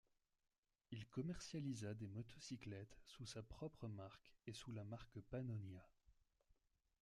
Il commercialisa des motocyclettes sous sa propre marque et sous la marque Pannónia.